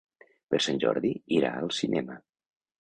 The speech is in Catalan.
Per Sant Jordi irà al cinema.